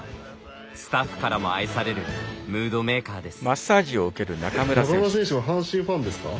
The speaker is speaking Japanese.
スタッフからも愛されるムードメーカーです。